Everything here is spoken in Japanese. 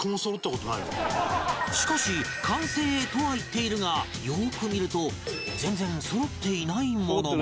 しかし完成とは言っているがよーく見ると全然揃っていないものも